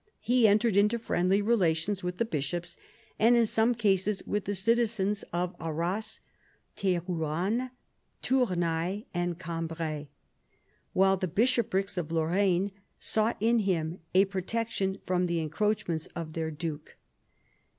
He entered into friendly relations with the bishops, and in some cases with the citizens, of Arras, Terouanne, Tournai, and Cambrai, while the bishoprics of Lorraine sought in him a protection from the en croachments of their duke.